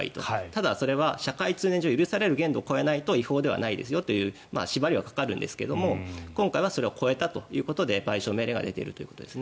ただ、それは社会通念上許される限度を超えないと違法ではないですよという縛りはかかるんですが今回はそれを超えたということで賠償命令が出ているということです。